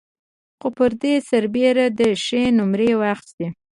خو پر دې سربېره ده ښې نومرې واخيستې.